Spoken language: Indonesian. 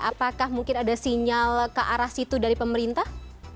apakah mungkin ada sinyal ke arah situ dari pemerintah